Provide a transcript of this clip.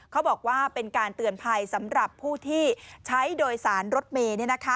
เขาบอกว่าเป็นการเตือนภัยสำหรับผู้ที่ใช้โดยสารรถเมย์